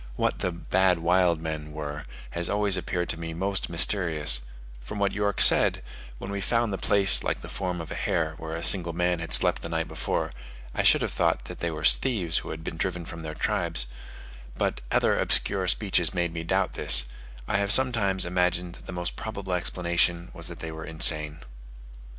What the "bad wild men" were, has always appeared to me most mysterious: from what York said, when we found the place like the form of a hare, where a single man had slept the night before, I should have thought that they were thieves who had been driven from their tribes; but other obscure speeches made me doubt this; I have sometimes imagined that the most probable explanation was that they were insane.